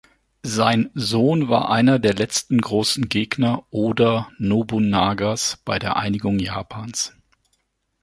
Sein Sohn war einer der letzten großen Gegner Oda Nobunagas bei der Einigung Japans.